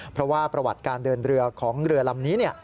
เพราะว่าประวัติการเดินเรือของเรือลำนี้